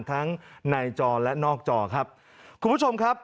ทั้งในจอและนอกจอครับ